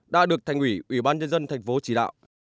đã được thành ủy ủy ban nhân dân tp chỉ đạo